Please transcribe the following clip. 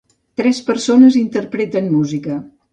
Tres persones interpreten música